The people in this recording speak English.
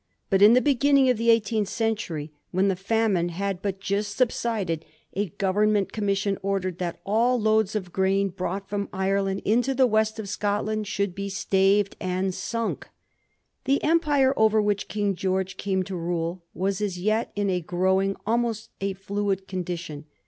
But, in the beginning of the eighteenth century, when the famine had but just subsided, a Grovemment commission ordered that all loads of grain brought from Ireland into the West of Scotland should be staved and sunk. The empire over which King George came to rule was as yet in a growing, almost a fluid condition.